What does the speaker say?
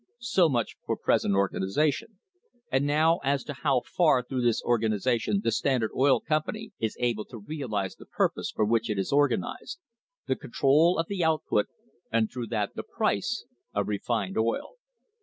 So much for present organisation, and now as to how far through this organisation the Standard Oil Company is able to realise the purpose for which it was organised the control of the output, and, through that, the price, of refined oil.